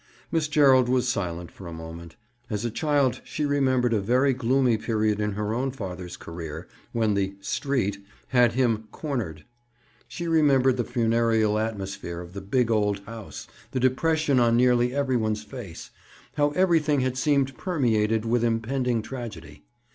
Miss Gerald was silent for a moment. As a child she remembered a very gloomy period in her own father's career—when the "street" had him "cornered." She remembered the funereal atmosphere of the big old house—the depression on nearly every one's face—how everything had seemed permeated with impending tragedy.